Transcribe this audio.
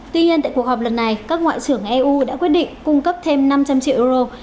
tuy nhiên tại cuộc họp lần này các ngoại trưởng eu đã quyết định cung cấp thêm năm trăm linh triệu euro